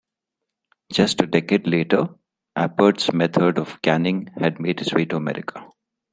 Just a decade later, Appert's method of canning had made its way to America.